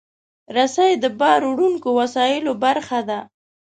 رسۍ د باروړونکو وسایلو برخه ده.